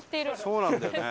そうなんだよね。